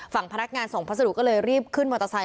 พนักงานส่งพัสดุก็เลยรีบขึ้นมอเตอร์ไซค